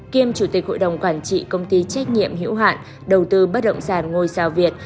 kiêm chủ tịch hội đồng quản trị công ty trách nhiệm hữu hạn đầu tư bất động sản ngôi sao việt